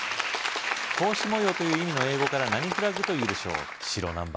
「格子模様」という意味の英語から何フラッグというでしょう白何番？